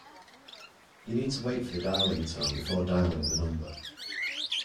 You need to wait for the dialling tone before dialling the number